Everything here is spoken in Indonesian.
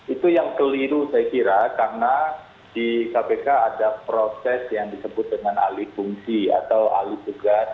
itu yang keliru saya kira karena di kpk ada proses yang disebut dengan alih fungsi atau alih tugas